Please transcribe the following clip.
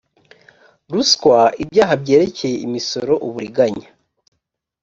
ruswa ibyaha byerekeye imisoro uburiganya